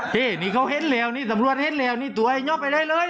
เห้นี่เขาเห็นแล้วตัวไอ้น้ำไปได้เลย